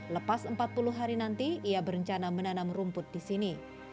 lepas empat puluh hari nanti ia berencana menanam rumput di sini